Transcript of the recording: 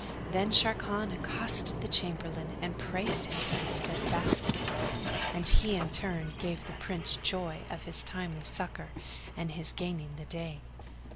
Then Sharrkan accosted the Chamberlain and praised him for his steadfastness; and he in turn gave the Prince joy of his timely succour and his gaining the day.